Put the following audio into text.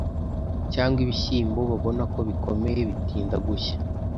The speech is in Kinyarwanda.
cyangwa ibishyimbo babona ko bikomeye bitinda gushya,